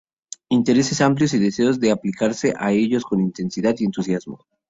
Intereses amplios y deseos de aplicarse a ellos con intensidad y entusiasmo...